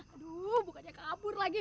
aduh bukannya kabur lagi